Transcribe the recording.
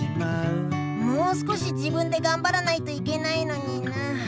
もう少し自分でがんばらないといけないのになあ。